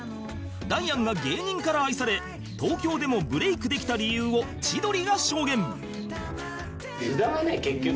ダイアンが芸人から愛され東京でもブレイクできた理由を千鳥が証言！